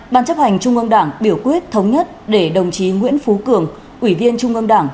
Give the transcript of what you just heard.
ban chấp hành trung ương đảng biểu quyết thống nhất để đồng chí nguyễn phú cường ủy viên trung ương đảng